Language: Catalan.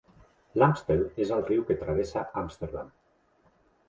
L'Amstel és el riu que travessa Amsterdam.